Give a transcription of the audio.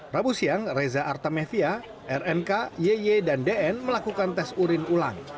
rabu siang reza artamevia rnk yy dan dn melakukan tes urin ulang